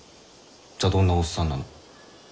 じゃあどんなおっさんなの？